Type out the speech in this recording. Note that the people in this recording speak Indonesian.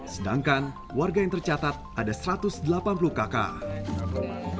sedangkan warga yang tercatat ada satu ratus delapan puluh kakak